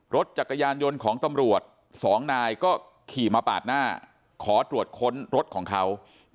รถจักรยานยนต์ของตำรวจสองนายก็ขี่มาปาดหน้าขอตรวจค้นรถของเขา